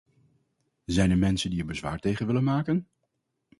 Zijn er mensen die er bezwaar tegen willen maken?